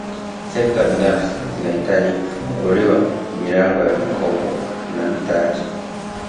Sekta binafsi zinahitaji kufunguliwa milango ya mikopo na mitaji